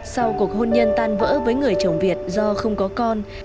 sau cuộc hôn nhân tan vỡ với người chồng việt do không có con